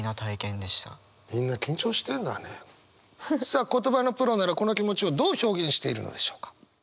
さあ言葉のプロならこの気持ちをどう表現しているのでしょうか。